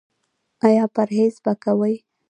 ایا پرهیز به کوئ؟